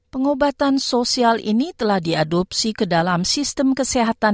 pengobatan sosial ini telah diadopsi ke dalam sistem kesehatan